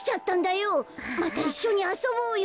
またいっしょにあそぼうよ。